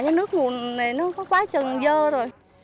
nhưng nước nguồn này nó quá trần dơ rồi